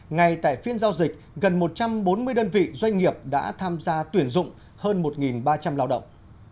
ngay tại phiên giao dịch gần một trăm bốn mươi đơn vị doanh nghiệp đã tham gia tuyển dụng hơn một ba trăm linh lao động